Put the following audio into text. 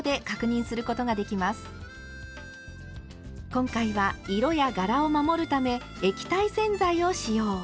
今回は色や柄を守るため液体洗剤を使用。